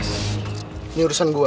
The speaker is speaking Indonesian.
ini urusan gua